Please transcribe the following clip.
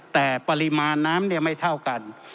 แต่ปริมาณน้ำไม่เท่ากัน